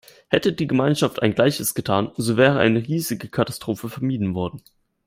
Hätte die Gemeinschaft ein Gleiches getan, so wäre eine riesige Katastrophe vermieden worden.